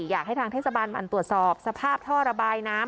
อยากให้ทางเทศบาลมันตรวจสอบสภาพท่อระบายน้ำ